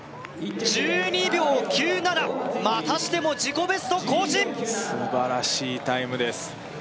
１２秒９７またしても自己ベスト更新素晴らしいタイムです